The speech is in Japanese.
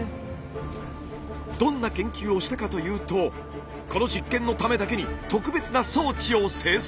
どんな研究をしたかというとこの実験のためだけに特別な装置を製作。